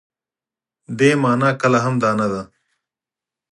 دې مانا کله هم دا نه ده.